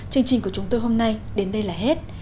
chương trình của chúng tôi hôm nay đến đây là hết